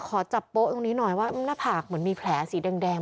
ขอจับโป๊ะตรงนี้หน่อยว่าหน้าผากเหมือนมีแผลสีแดง